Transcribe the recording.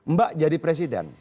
mbak jadi presiden